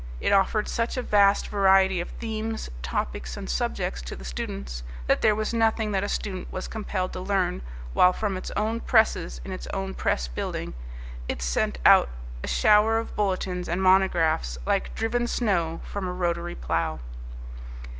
It offered such a vast variety of themes, topics and subjects to the students, that there was nothing that a student was compelled to learn, while from its own presses in its own press building it sent out a shower of bulletins and monographs like driven snow from a rotary plough.